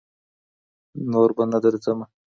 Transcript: نور بــه نـه درځمـــه